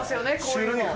こういうの。